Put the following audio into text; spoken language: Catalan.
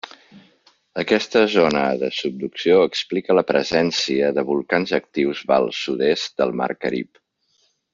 Aquesta zona de subducció explica la presència de volcans actius val sud-est del mar Carib.